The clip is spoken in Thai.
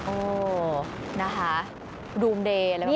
โอ้นะคะดูมเดย์แล้ว